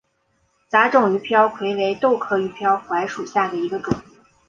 杂种鱼鳔槐为豆科鱼鳔槐属下的一个种。